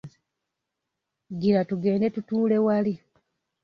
Gira tugende tutuule wali.